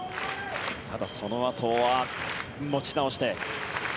ただ、そのあとは持ち直して。